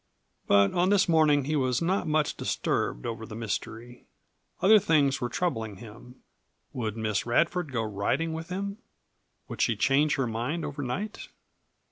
But on this morning he was not much disturbed over the mystery. Other things were troubling him. Would Miss Radford go riding with him? Would she change her mind over night?